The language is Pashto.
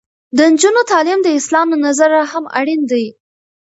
د نجونو تعلیم د اسلام له نظره هم اړین دی.